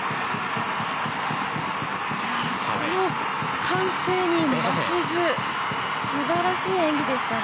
この歓声に負けず素晴らしい演技でしたね。